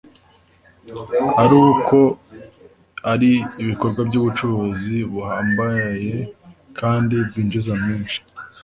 ari uko ari ibikorwa by’ubucuruzi buhambaye kandi bwinjiza menshi